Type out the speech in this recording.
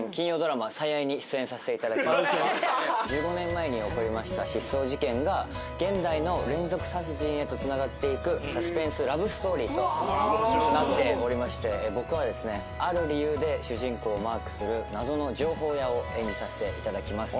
僕１５年前に起こりました失踪事件が現代の連続殺人へとつながっていくサスペンスラブストーリーとなっておりまして僕はですねある理由で主人公をマークする謎の情報屋を演じさせていただきます